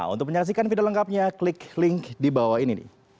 untuk menyaksikan video lengkapnya klik link di bawah ini